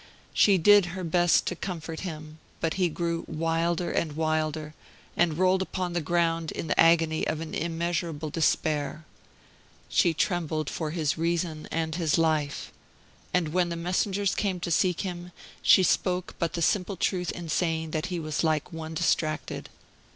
She did her best to comfort him; but he grew wilder and wilder, and rolled upon the ground in the agony of an immeasurable despair. She trembled for his reason and his life. And when the messengers came to seek him, she spoke but the simple truth in saying that he was like one distracted.